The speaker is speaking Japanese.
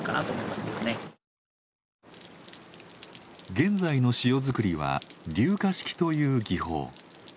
現在の塩づくりは流下式という技法。